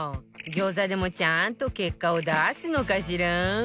餃子でもちゃんと結果を出すのかしら？